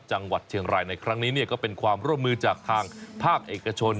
จังหวัดเชียงรายในครั้งนี้ก็เป็นความร่วมมือจากทางภาคเอกชน